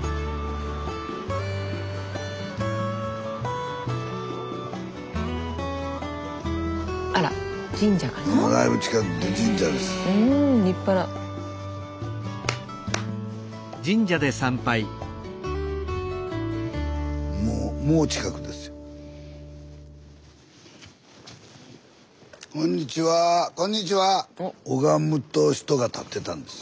スタジオ拝むと人が立ってたんですよ。